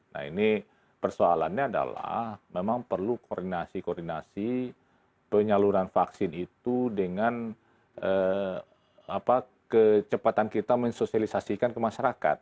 nah ini persoalannya adalah memang perlu koordinasi koordinasi penyaluran vaksin itu dengan kecepatan kita mensosialisasikan ke masyarakat